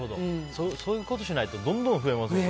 そういうことをしないとどんどん増えますよね。